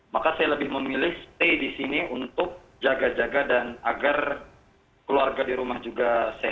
maka saya lebih memilih stay di sini untuk jaga jaga dan agar keluarga di rumah juga sehat